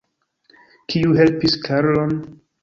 Kiu helpis Karlon?